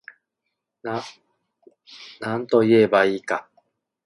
なんといえば良いか